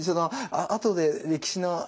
あとで歴史のね